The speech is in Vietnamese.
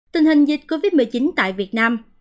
tình hình dịch covid một mươi chín tại việt nam